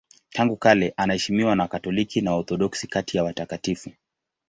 Tangu kale anaheshimiwa na Wakatoliki na Waorthodoksi kati ya watakatifu.